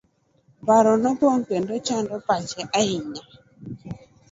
Paro nopong'o kendo chando pache ahinya.